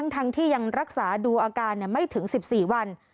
ทั้งที่ยังรักษาดูอาการไม่ถึง๑๔วัน